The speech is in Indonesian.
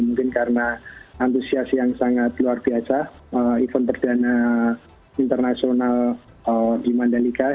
mungkin karena antusias yang sangat luar biasa event perdana internasional di mandalika